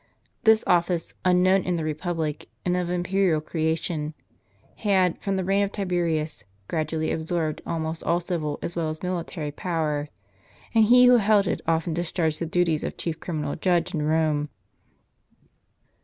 This office, unknown in the republic, and of imperial creation, had, from the reign of Tiberius, gradually absorbed almost all civil as well as military power ; and he who held it often discharged the duties of chief criminal judge in Rome.